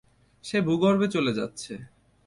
সে ভূগর্ভে চলে যাচ্ছে।